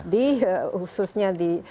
di khususnya di